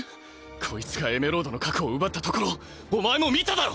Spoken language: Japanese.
こいつがエメロードの核を奪ったところお前も見ただろ！